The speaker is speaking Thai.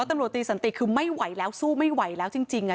ตำรวจตีสันติคือไม่ไหวแล้วสู้ไม่ไหวแล้วจริง